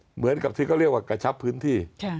เหมือนกับที่เขาเรียกว่ากระชับพื้นที่